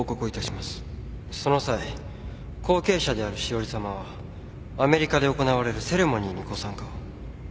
その際後継者である詩織さまはアメリカで行われるセレモニーにご参加を。